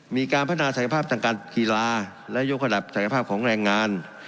มีการพัฒนาศักยภาพทางการกีฬาและยกระดับศักยภาพของแรงงาน